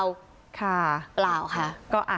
หรือเปล่าค่ะ